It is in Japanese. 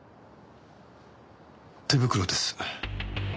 手袋です。